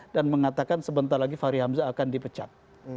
dan mengatakan sebentar lagi fahri hamzah akan dipecat